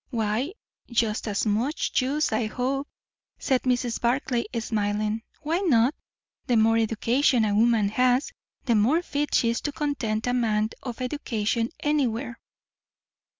"Why, just as much use, I hope," said Mrs. Barclay, smiling. "Why not? The more education a woman has, the more fit she is to content a man of education, anywhere."